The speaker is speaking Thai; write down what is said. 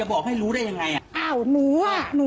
โอ้โห